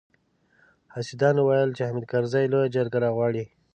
حاسدانو ويل چې حامد کرزي لويه جرګه راغواړي.